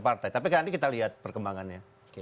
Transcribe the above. partai tapi nanti kita lihat perkembangannya